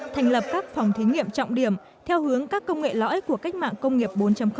thành lập các phòng thí nghiệm trọng điểm theo hướng các công nghệ lõi của cách mạng công nghiệp bốn